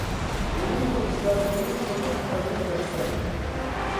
مېنىڭ بۇ ئىشلاردىنمۇ تولۇق خەۋىرىم يوقكەن.